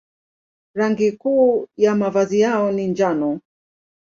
Rangi kuu ya mavazi yao ni njano.